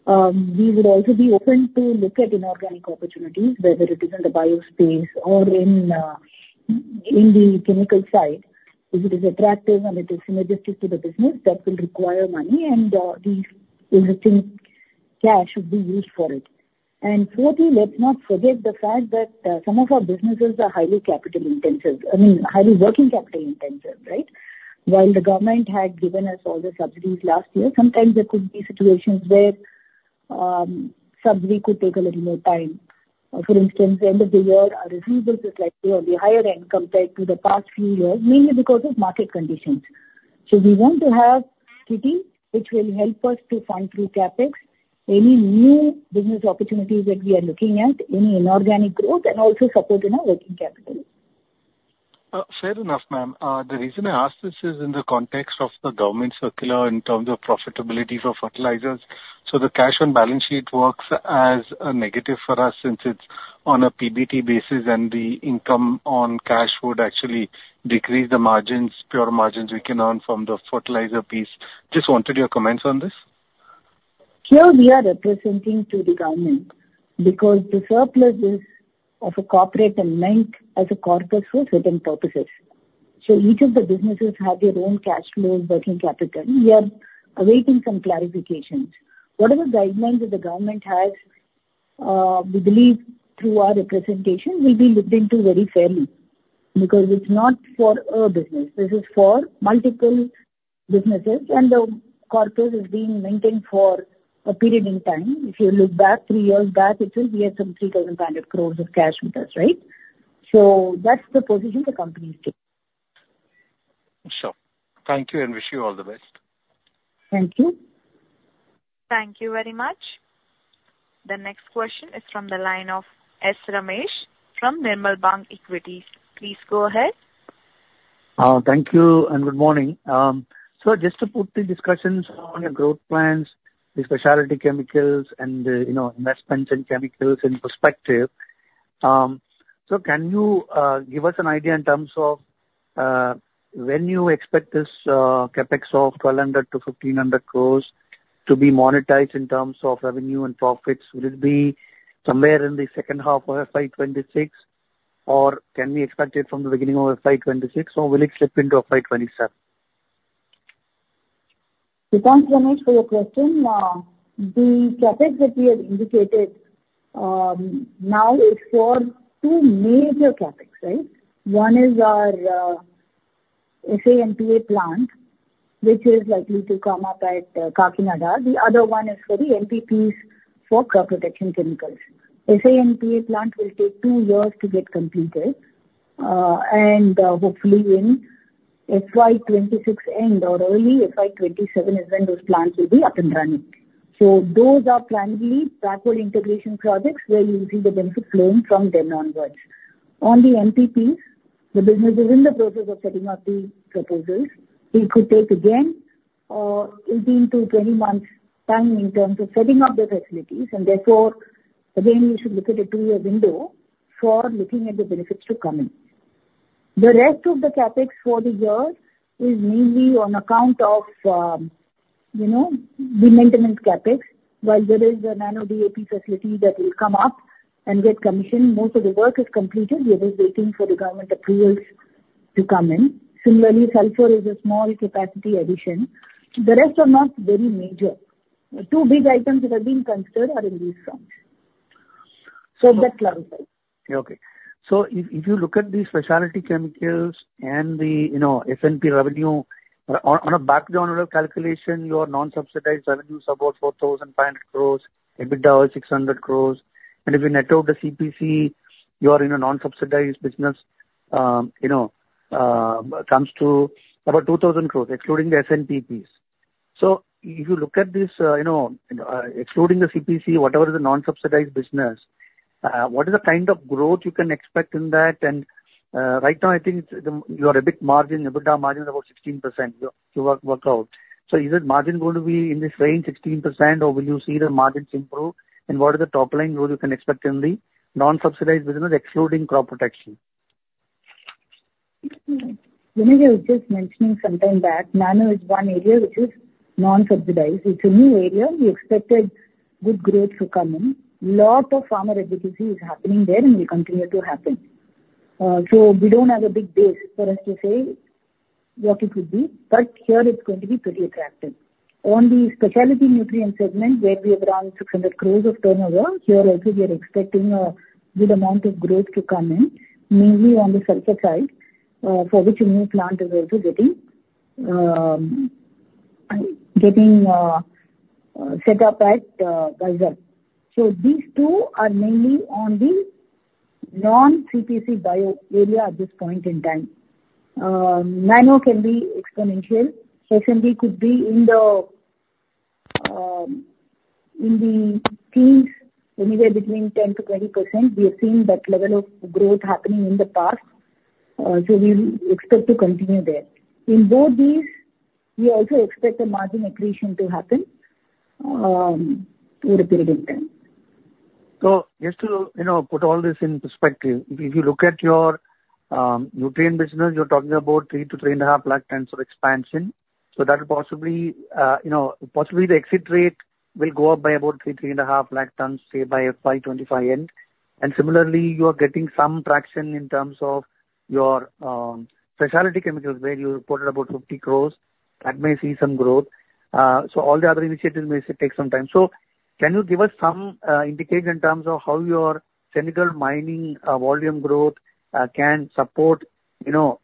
Speaker 3: We would also be open to look at inorganic opportunities, whether it is in the bio space or in the chemical side. If it is attractive and it is synergistic to the business, that will require money, and the existing cash should be used for it. Fourthly, let's not forget the fact that some of our businesses are highly capital intensive, I mean, highly working capital intensive, right? While the government had given us all the subsidies last year, sometimes there could be situations where subsidy could take a little more time. For instance, end of the year, our receivables is likely on the higher end compared to the past few years, mainly because of market conditions. So we want to have kitty, which will help us to fund through CapEx, any new business opportunities that we are looking at, any inorganic growth, and also support in our working capital....
Speaker 9: Fair enough, ma'am. The reason I ask this is in the context of the government circular in terms of profitability for fertilizers. So the cash on balance sheet works as a negative for us since it's on a PBT basis, and the income on cash would actually decrease the margins, pure margins we can earn from the fertilizer piece. Just wanted your comments on this.
Speaker 3: Here we are representing to the government, because the surplus is of a corporate and linked as a corpus for certain purposes. So each of the businesses have their own cash flows, working capital. We are awaiting some clarifications. Whatever guidelines that the government has, we believe through our representation, will be looked into very fairly, because it's not for our business, this is for multiple businesses, and the corpus is being maintained for a period in time. If you look back, three years back, it will be some 3,500 crore of cash with us, right? So that's the position the company is taking.
Speaker 9: Sure. Thank you, and wish you all the best.
Speaker 3: Thank you.
Speaker 1: Thank you very much. The next question is from the line of S Ramesh from Nirmal Bang Equities. Please go ahead.
Speaker 10: Thank you and good morning. So just to put the discussions on your growth plans, the specialty chemicals and, you know, investments in chemicals in perspective, so can you give us an idea in terms of, when you expect this, CapEx of 1,200-1,500 crores to be monetized in terms of revenue and profits? Will it be somewhere in the second half of FY 2026, or can we expect it from the beginning of FY 2026, or will it slip into FY 2027?
Speaker 3: Thanks, Ramesh, for your question. The CapEx that we had indicated now is for two major CapEx, right? One is our SA and PA plant, which is likely to come up at Kakinada. The other one is for the MPPs for crop protection chemicals. SA and PA plant will take two years to get completed, and hopefully in FY 2026 end or early FY 2027 is when those plants will be up and running. So those are primarily backward integration projects, where you will see the benefits flowing from then onwards. On the MPPs, the business is in the process of setting up the proposals. It could take again 18months-20 months' time in terms of setting up the facilities, and therefore, again, you should look at a two-year window for looking at the benefits to come in. The rest of the CapEx for the year is mainly on account of, you know, the maintenance CapEx, while there is a Nano DAP facility that will come up and get commissioned. Most of the work is completed. We are just waiting for the government approvals to come in. Similarly, sulfur is a small capacity addition. The rest are not very major. The two big items that are being considered are in these fronts. So that clarifies.
Speaker 10: Okay. So if you look at the specialty chemicals and the, you know, SNP revenue, on a back of the envelope calculation, your non-subsidized revenues are about 4,500 crore, EBITDA is 600 crore, and if you net out the CPC, you are in a non-subsidized business, you know, comes to about 2,000 crore, excluding the SNPs. So if you look at this, you know, excluding the CPC, whatever is the non-subsidized business, what is the kind of growth you can expect in that? And right now, I think your EBIT margin, EBITDA margin is about 16%, to work out. So is this margin going to be in this range, 16%, or will you see the margins improve? What is the top line growth you can expect in the non-subsidized business, excluding crop protection?
Speaker 3: Mm-hmm. When I was just mentioning some time back, Nano is one area which is non-subsidized. It's a new area. We expected good growth to come in. A lot of farmer advocacy is happening there and will continue to happen. So we don't have a big base for us to say what it could be, but here it's going to be pretty attractive. On the specialty nutrient segment, where we have around 600 crore of turnover, here also we are expecting a good amount of growth to come in, mainly on the sulfur side, for which a new plant is also getting set up at Vizag. So these two are mainly on the non-CPC bio area at this point in time. Nano can be exponential. SNP could be in the teens, anywhere between 10%-20%. We have seen that level of growth happening in the past, so we expect to continue there. In both these, we also expect the margin accretion to happen, over a period in time.
Speaker 10: So just to, you know, put all this in perspective, if you look at your nutrient business, you're talking about 3 lakh tons-3.5 lakh tons of expansion. That possibly, you know, possibly the exit rate will go up by about 3 lakh tons-3.5 lakh tons, say, by FY 2025 end. And similarly, you are getting some traction in terms of your specialty chemicals, where you reported about 50 crores. That may see some growth. So all the other initiatives may take some time. So can you give us some indication in terms of how your chemicals and mining volume growth can support, you know,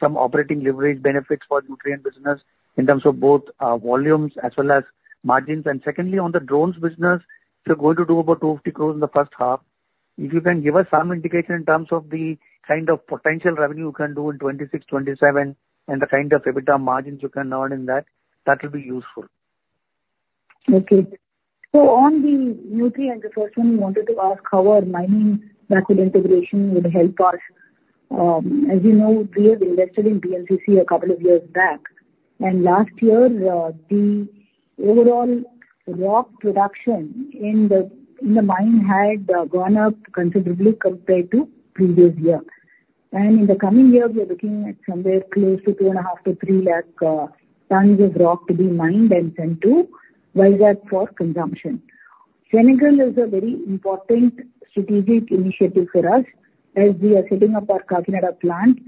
Speaker 10: some operating leverage benefits for nutrient business in terms of both volumes as well as margins? And secondly, on the drones business, you're going to do about 250 crores in the first half. If you can give us some indication in terms of the kind of potential revenue you can do in 2026, 2027, and the kind of EBITDA margins you can earn in that, that will be useful....
Speaker 3: Okay. So on the new three, and the first one, we wanted to ask how our mining backward integration would help us? As you know, we have invested in BMCC a couple of years back, and last year, the overall rock production in the mine had gone up considerably compared to previous year. And in the coming year, we are looking at somewhere close to 2.5 lakh-3 lakh tons of rock to be mined and sent to Vizag for consumption. Senegal is a very important strategic initiative for us, as we are setting up our Kakinada plant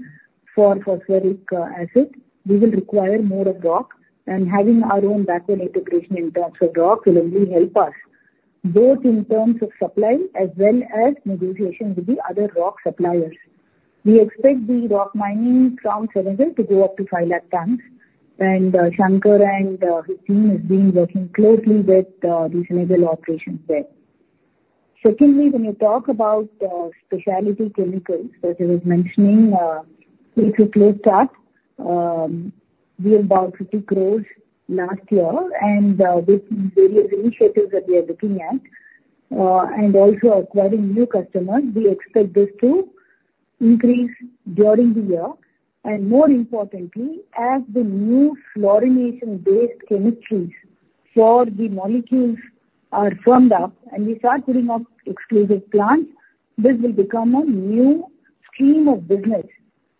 Speaker 3: for phosphoric acid. We will require more of rock, and having our own backward integration in terms of rock will only help us, both in terms of supply as well as negotiations with the other rock suppliers. We expect the rock mining from Senegal to go up to 500,000 tons, and Sankar and his team has been working closely with the Senegal operations there. Secondly, when you talk about specialty chemicals, that I was mentioning, so if you close up, we have about 50 crores last year, and with various initiatives that we are looking at and also acquiring new customers, we expect this to increase during the year. And more importantly, as the new fluorination-based chemistries for the molecules are firmed up and we start putting up exclusive plants, this will become a new stream of business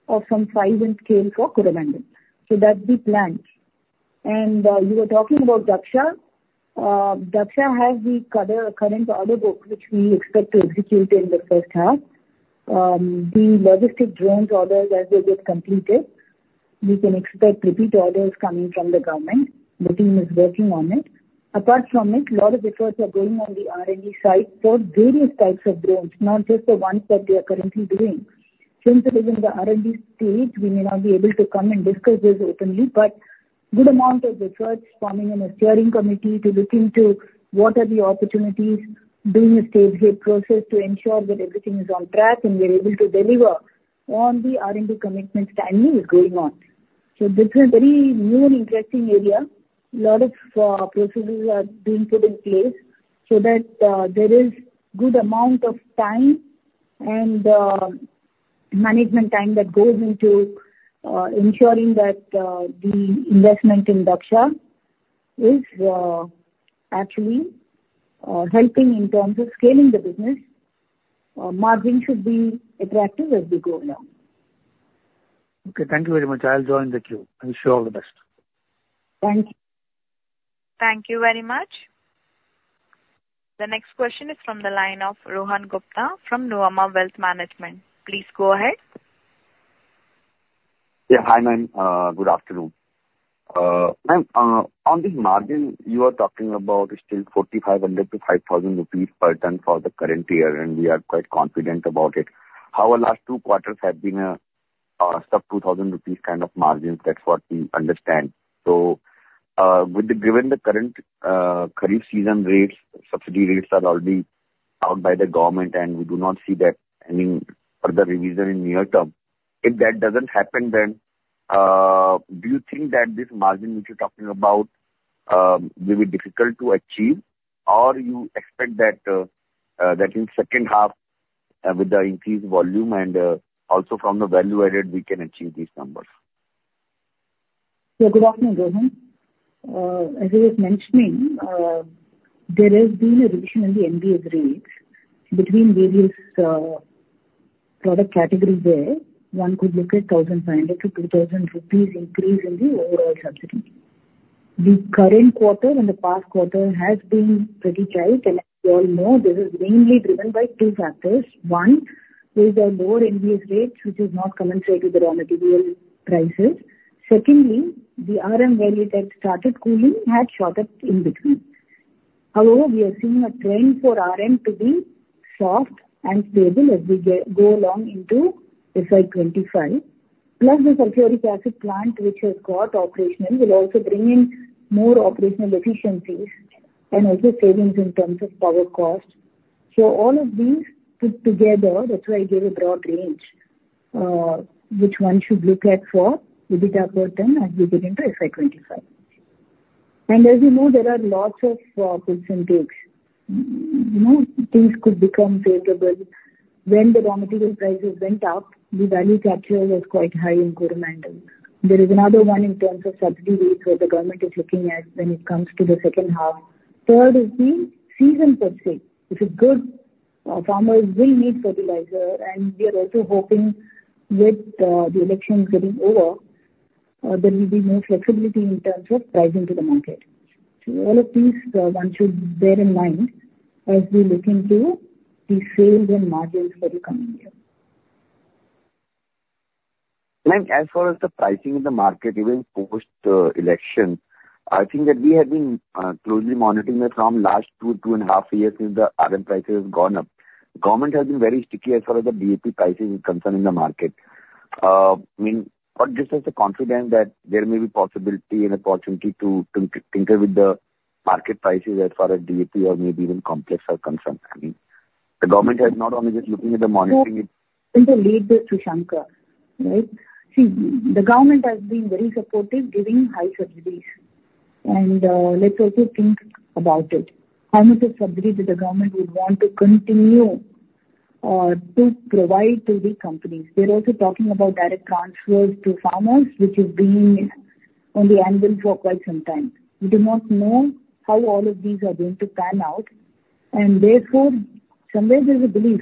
Speaker 3: of some size and scale for Coromandel. So that's the plan. And you were talking about Dhaksha. Dhaksha has the current order book, which we expect to execute in the first half. The logistic drones orders as they get completed, we can expect repeat orders coming from the government. The team is working on it. Apart from it, a lot of efforts are going on the R&D side for various types of drones, not just the ones that we are currently doing. Since it is in the R&D stage, we may not be able to come and discuss this openly, but good amount of research forming in a steering committee to look into what are the opportunities, doing a stage-gate process to ensure that everything is on track, and we are able to deliver on the R&D commitment timing is going on. So this is a very new and interesting area. A lot of procedures are being put in place so that there is good amount of time and management time that goes into ensuring that the investment in Dhaksha is actually helping in terms of scaling the business. Margin should be attractive as we go along.
Speaker 10: Okay, thank you very much. I'll join the queue and wish you all the best.
Speaker 3: Thank you.
Speaker 1: Thank you very much. The next question is from the line of Rohan Gupta from Nuvama Wealth Management. Please go ahead.
Speaker 11: Yeah. Hi, ma'am. Good afternoon. Ma'am, on the margin, you are talking about still 4,500 to 5,000 rupees per ton for the current year, and we are quite confident about it. Our last two quarters have been a sub 2,000 rupees kind of margins. That's what we understand. So, with the... Given the current Kharif season rates, subsidy rates are already out by the government, and we do not see that any further revision in near term. If that doesn't happen, then do you think that this margin, which you're talking about, will be difficult to achieve? Or you expect that that in second half, with the increased volume and also from the value added, we can achieve these numbers?
Speaker 3: Yeah, good afternoon, Rohan. As I was mentioning, there has been a reduction in the NBS rates between various product categories, where one could look at 1,500-2,000 rupees increase in the overall subsidy. The current quarter and the past quarter has been pretty tight, and as you all know, this is mainly driven by two factors. One is the lower NBS rates, which is not commensurate with the raw material prices. Secondly, the RM value that started cooling had shot up in between. However, we are seeing a trend for RM to be soft and stable as we go along into FY 2025. Plus, the sulfuric acid plant, which has got operational, will also bring in more operational efficiencies and also savings in terms of power cost. So all of these put together, that's why I gave a broad range, which one should look at for EBITDA per ton as we get into FY 2025. And as you know, there are lots of, percentage. You know, things could become favorable. When the raw material prices went up, the value capture was quite high in Coromandel. There is another one in terms of subsidy rates, where the government is looking at when it comes to the second half. Third is the season per se. If it's good, farmers will need fertilizer, and we are also hoping with, the elections getting over, there will be more flexibility in terms of pricing to the market. So all of these, one should bear in mind as we look into the sales and margins for the coming year.
Speaker 12: Ma'am, as far as the pricing in the market, even post the election, I think that we have been closely monitoring that from last two to 2.5 years since the RM prices has gone up. The government has been very sticky as far as the DAP prices is concerned in the market. I mean, but just as a confident that there may be possibility and opportunity to tinker with the market prices as far as DAP or maybe even complex are concerned, I mean? The government has not only just looking at the monitoring it-
Speaker 3: I'll leave that to Sankar, right? See, the government has been very supportive, giving high subsidies. And, let's also think about it. How much of subsidy do the government would want to continue to provide to the companies? They're also talking about direct transfers to farmers, which is being on the anvil for quite some time. We do not know how all of these are going to pan out, and therefore, somewhere there's a belief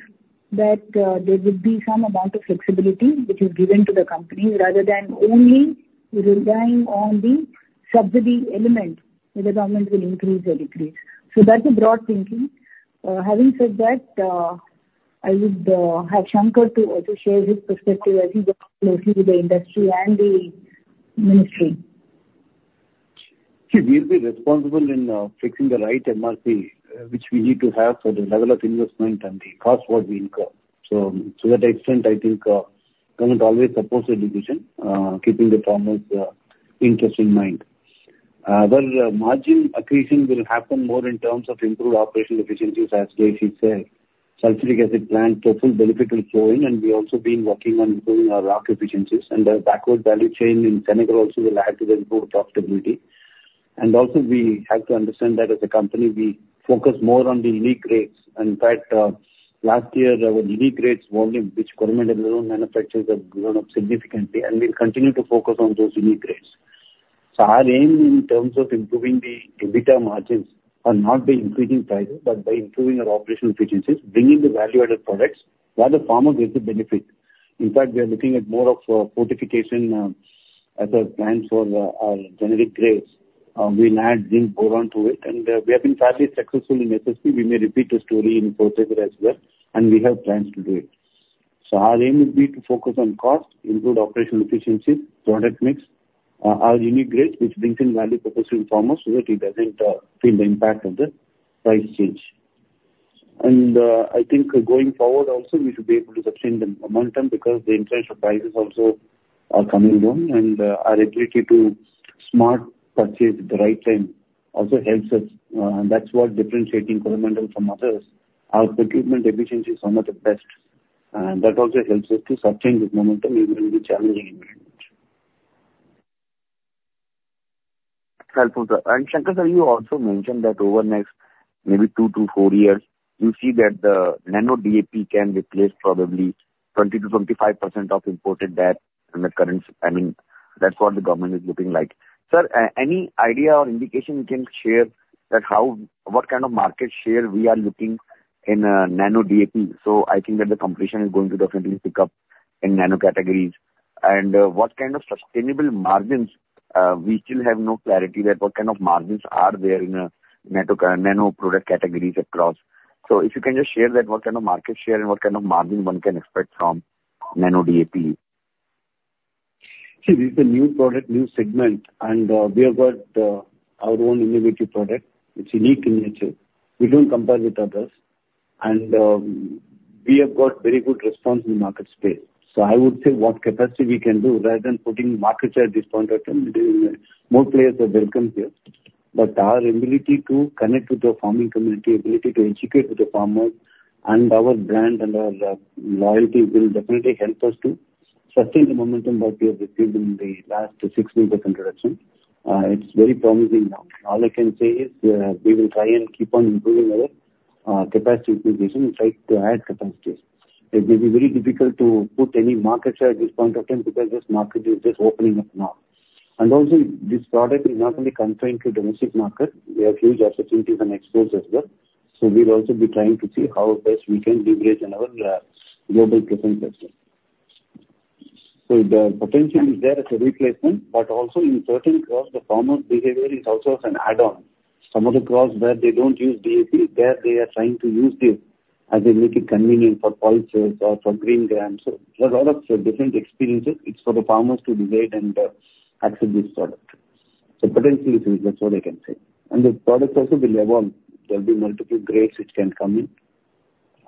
Speaker 3: that there would be some amount of flexibility which is given to the company, rather than only relying on the subsidy element, if the government will increase or decrease. So that's a broad thinking. Having said that, I would have Sankar to also share his perspective, as he works closely with the industry and the ministry.
Speaker 5: See, we'll be responsible in, fixing the right MRP, which we need to have for the level of investment and the cost what we incur. So, to that extent, I think, government always supports the decision, keeping the farmers' interest in mind. Well, margin accretion will happen more in terms of improved operational efficiencies, as Jayashree said. Sulphuric acid plant, the full benefit will flow in, and we've also been working on improving our rock efficiencies. And the backward value chain in Senegal also will add to the improved profitability. And also, we have to understand that as a company, we focus more on the unique grades. And in fact, last year, our unique grades volume, which Coromandel manufactures have grown up significantly, and we'll continue to focus on those unique grades. So our aim in terms of improving the EBITDA margins are not by increasing prices, but by improving our operational efficiencies, bringing the value-added products, where the farmer gets the benefit. In fact, we are looking at more of, fortification, as a plan for, our generic grades. We'll add zinc boron to it, and, we have been fairly successful in SSP. We may repeat the story in phosphate as well, and we have plans to do it. So our aim will be to focus on cost, improve operational efficiencies, product mix, our unique grades, which brings in value proposition to farmers so that he doesn't, feel the impact of the price change. I think going forward also, we should be able to sustain the momentum, because the inflation prices also are coming down, and our ability to smart purchase at the right time also helps us. That's what differentiating Coromandel from others. Our procurement efficiency is some of the best, and that also helps us to sustain the momentum, even in the challenging environment.
Speaker 11: Helpful, sir. And Sankar, sir, you also mentioned that over the next maybe two to four years, you see that the Nano DAP can replace probably 20%-25% of imported DAP in the current... I mean, that's what the government is looking like. Sir, any idea or indication you can share that how, what kind of market share we are looking in, Nano DAP? So I think that the competition is going to definitely pick up in nano categories. And, what kind of sustainable margins, we still have no clarity, that what kind of margins are there in, nano, nano product categories across. So if you can just share that, what kind of market share and what kind of margin one can expect from Nano DAP?
Speaker 5: See, this is a new product, new segment, and, we have got, our own innovative product. It's unique in nature. We don't compare with others. And, we have got very good response in the market space. So I would say what capacity we can do, rather than putting market share at this point of time, more players are welcome here. But our ability to connect with the farming community, ability to educate with the farmers, and our brand and our, loyalty, will definitely help us to sustain the momentum that we have received in the last six months of introduction. It's very promising now. All I can say is, we will try and keep on improving our, capacity utilization and try to add capacities. It will be very difficult to put any market share at this point of time, because this market is just opening up now. And also, this product is not only confined to domestic market, we have huge opportunities and exports as well. So we'll also be trying to see how best we can leverage in our, global presence as well. So the potential is there as a replacement, but also in certain crops, the farmer's behavior is also as an add-on. Some of the crops where they don't use DAP, there they are trying to use this as they make it convenient for pulses or for green grams. So there are a lot of different experiences. It's for the farmers to decide and, accept this product. So potentially, that's what I can say. And the products also will evolve. There'll be multiple grades which can come in,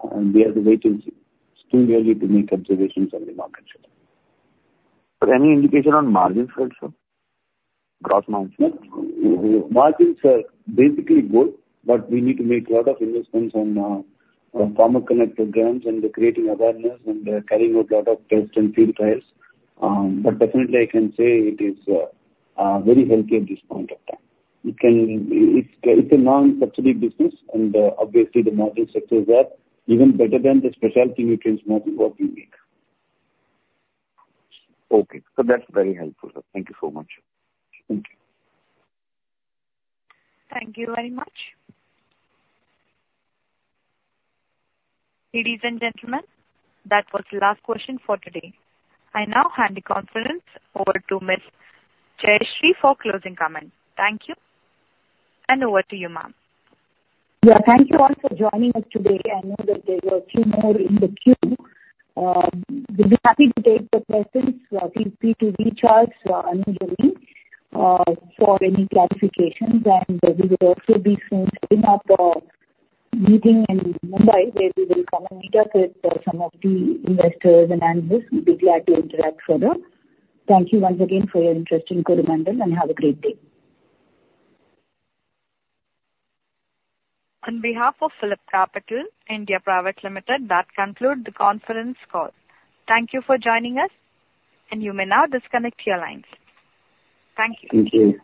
Speaker 5: and we have to wait and see. It's too early to make observations on the market share.
Speaker 11: Any indication on margins at all, sir? Gross margins.
Speaker 5: Margins are basically good, but we need to make a lot of investments on Farmer Connect programs and creating awareness and carrying out a lot of tests and field trials. But definitely I can say it is very healthy at this point of time. It can... it's a non-subsidy business, and obviously, the margin sectors are even better than the specialty nutrients margin what we make.
Speaker 11: Okay. So that's very helpful, sir. Thank you so much.
Speaker 5: Thank you.
Speaker 1: Thank you very much. Ladies and gentlemen, that was the last question for today. I now hand the conference over to Ms. Jayashree for closing comments. Thank you, and over to you, ma'am.
Speaker 3: Yeah, thank you all for joining us today. I know that there were a few more in the queue. We'll be happy to take the questions post the call, Anuj Naithani, for any clarifications. And we will also be soon setting up a meeting in Mumbai, where we will come and meet up with some of the investors and analysts. We'll be glad to interact further. Thank you once again for your interest in Coromandel, and have a great day. On behalf of PhillipCapital (India) Private Limited, that concludes the conference call. Thank you for joining us, and you may now disconnect your lines. Thank you.
Speaker 5: Thank you.